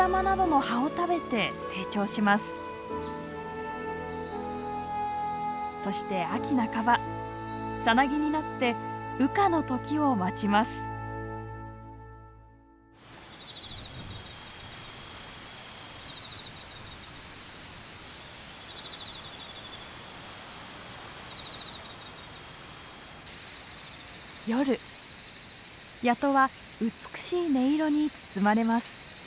夜谷戸は美しい音色に包まれます。